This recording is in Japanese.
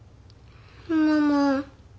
ママ。